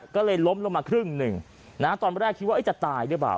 ก็เลยล้มลงมาครึ่งหนึ่งนะตอนแรกคิดว่าจะตายหรือเปล่า